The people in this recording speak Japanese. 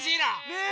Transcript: ねえ？